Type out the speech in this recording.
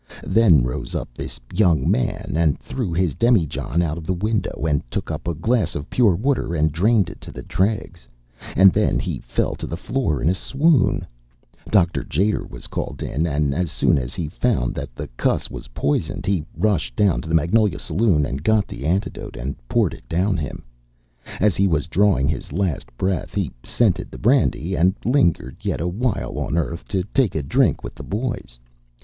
Then rose up this young man, and threw his demijohn out of the window, and took up a glass of pure water, and drained it to the dregs. And then he fell to the floor in a swoon. Dr. Tjader was called in, and as soon as he found that the cuss was poisoned, he rushed down to the Magnolia Saloon and got the antidote, and poured it down him. As he was drawing his last breath, he scented the brandy and lingered yet a while on earth, to take a drink with the boys.